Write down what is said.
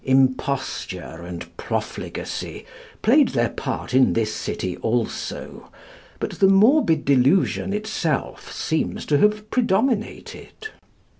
Imposture and profligacy played their part in this city also, but the morbid delusion itself seems to have predominated.